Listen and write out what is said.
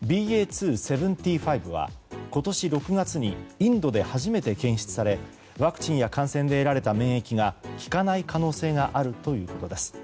ＢＡ．２．７５は今年６月にインドで初めて検出されワクチンや感染で得られた免疫が効かない可能性があるということです。